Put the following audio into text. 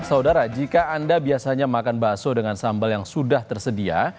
saudara jika anda biasanya makan bakso dengan sambal yang sudah tersedia